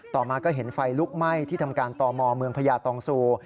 ต่อมาก็เห็นไฟลุกไหม้ที่ทำการต่อมอเมืองพญาตองซู